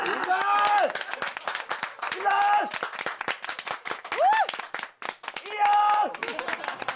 いいよ！